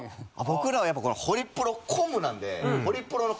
僕らはやっぱりこのホリプロコムなんで。